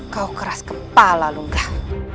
kau keras kepala lunggah